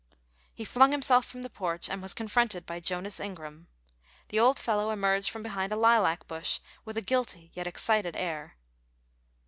He flung himself from the porch, and was confronted by Jonas Ingram. The old fellow emerged from behind a lilac bush with a guilty yet excited air.